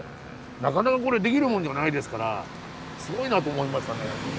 なかなかこれできるもんじゃないですからすごいなと思いましたね。